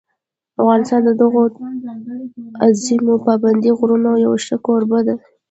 افغانستان د دغو عظیمو پابندي غرونو یو ښه کوربه دی.